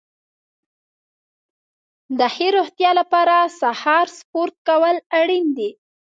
د ښې روغتیا لپاره سهار سپورت کول اړین دي.